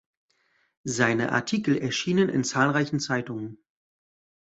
Seine Artikel erschienen in zahlreichen Zeitungen.